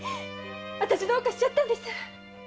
あたしどうかしちゃったんです‼